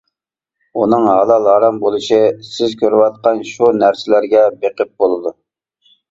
ئۇنىڭ ھالال-ھارام بولۇشى سىز كۆرۈۋاتقان شۇ نەرسىلەرگە بېقىپ بولىدۇ.